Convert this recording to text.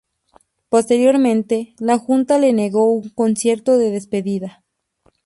Posteriormente, la Junta le negó un concierto de despedida.